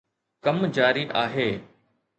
ڪم جاري آهي